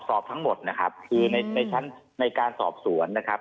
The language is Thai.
สอบทั้งหมดนะครับคือในชั้นในการสอบสวนนะครับ